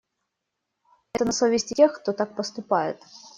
Это на совести тех, кто так поступает.